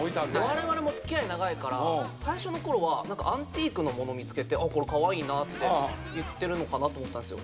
我々もつきあい長いから最初のころはアンティークのもの見つけて「これかわいいな」って言ってるのかなと思ってたんですよ。